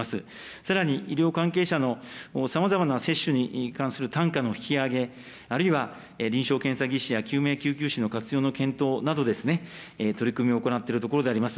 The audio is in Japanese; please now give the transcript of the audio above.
さらに医療関係者のさまざまな接種に関する単価の引き上げ、あるいは臨床検査技師や救命救急士の活用の検討など、取り組みを行っているところでございます。